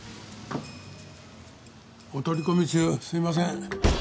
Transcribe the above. お取り込み中すいません。